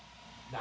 何？